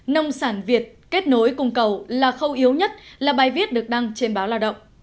nông sản việt kết nối cung cầu là khâu yếu nhất là bài viết được đăng trên báo lao động